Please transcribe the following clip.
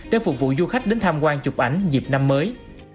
để phục vụ du khách đến tham quan chụp ảnh dịp năm mới